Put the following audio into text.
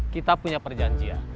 kita punya perjanjian